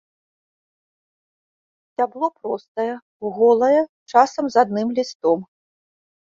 Сцябло простае, голае, часам з адным лістом.